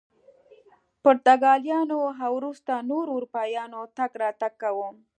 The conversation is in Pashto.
پرتګالیانو او وروسته نورو اروپایانو تګ راتګ کاوه.